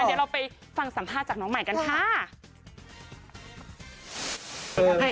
เดี๋ยวเราไปฟังสัมภาษณ์กันนะคะ